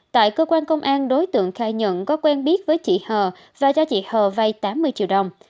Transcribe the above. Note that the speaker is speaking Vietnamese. tại cơ quan công an đối tượng khai nhận có quen biết với chị hờ và cho chị hờ vay tám mươi triệu đồng